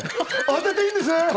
当てていいんですね？